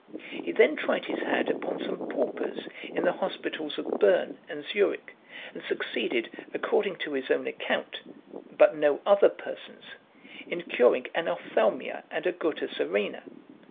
He then tried his hand upon some paupers in the hospitals of Berne and Zurich, and succeeded, according to his own account, but no other person's, in curing an opththalmia and a gutta serena.